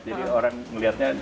jadi orang ngelewatin